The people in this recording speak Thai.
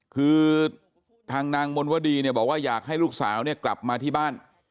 คือทางนางมนวดีเนี่ยบอกว่าอยากให้ลูกสาวเนี่ยกลับมาที่บ้าน